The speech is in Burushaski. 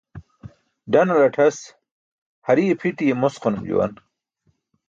Ḍaṅlatʰas hariye phiṭiye mosqanum juwan